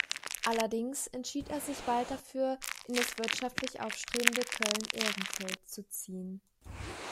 Allerdings entschied er sich bald dafür, in das wirtschaftlich aufstrebende Köln-Ehrenfeld zu ziehen.